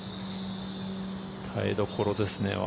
耐えどころですね。